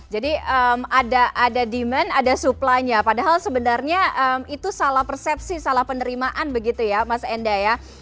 jadi ada demand ada suplanya padahal sebenarnya itu salah persepsi salah penerimaan begitu ya mas enda ya